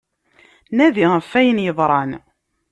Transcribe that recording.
Nadi ɣef wayen yeḍran.